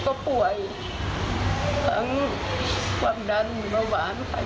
ขอบคุณช่วยน้องอากี้